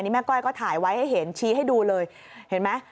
แม่ก้อยก็ถ่ายไว้ให้เห็นชี้ให้ดูเลยเห็นไหม